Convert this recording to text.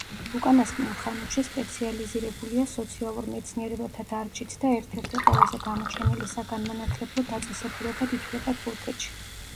უკანასკნელ ხანებში სპეციალიზირებულია სოციალურ მეცნიერებათა დარგშიც და ერთ-ერთი ყველაზე გამოჩენილი საგანმანათლებლო დაწესებულებად ითვლება თურქეთში.